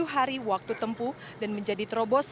tujuh hari waktu tempuh dan menjadi terobos